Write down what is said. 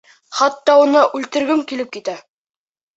Хатта уны үлтергем килеп китә.